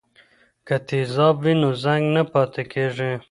که تیزاب وي نو زنګ نه پاتې کیږي.